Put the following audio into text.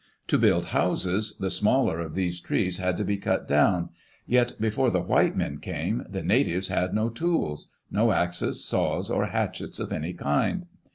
To build houses, the smaller of these trees had to be cut down, yet before the white men came, the natives had no tools — no axes, saws, or hatchets of any kind.